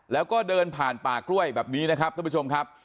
แล้วก็เดินผ่านป่ากล้วยแบบนี้นะครับท่านผู้ชมครับ